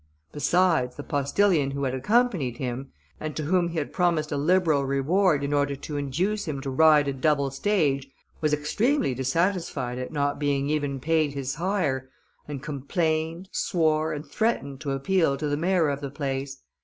Besides, the postilion who had accompanied him, and to whom he had promised a liberal reward, in order to induce him to ride a double stage, was extremely dissatisfied, at not being even paid his hire, and complained, swore, and threatened to appeal to the mayor of the place.